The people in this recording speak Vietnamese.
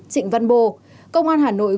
trịnh văn bồ công an hà nội